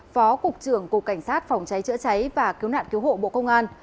phó cục trưởng cục cảnh sát phòng cháy chữa cháy và cứu nạn cứu hộ bộ công an